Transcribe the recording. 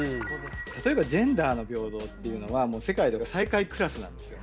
例えばジェンダーの平等っていうのは世界では最下位クラスなんですよ。